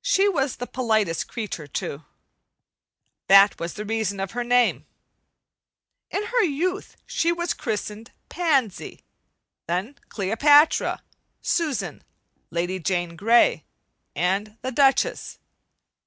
She was the politest creature, too. That was the reason of her name. In her youth she was christened "Pansy"; then "Cleopatra," "Susan," "Lady Jane Grey" and the "Duchess."